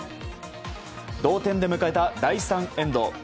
同点で迎えた第３エンド。